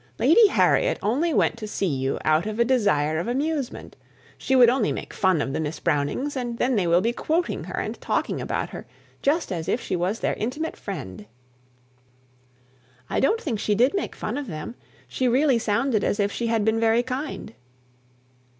"Lady Harriet only went to see you out of a desire of amusement. She would only make fun of Miss Brownings, and those two will be quoting her and talking about her, just as if she was their intimate friend." "I don't think she did make fun of them. She really seemed as if she had been very kind."